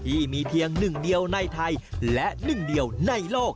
ที่มีเพียงหนึ่งเดียวในไทยและหนึ่งเดียวในโลก